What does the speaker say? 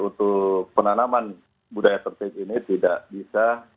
untuk penanaman budaya tertib ini tidak bisa